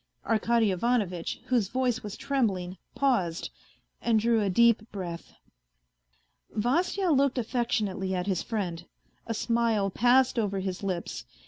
Arkady Ivanovitch, whose voice was trembling, paused, and drew a deep breath. Vasya looked affectionately at his friend. A smile passed over his lips.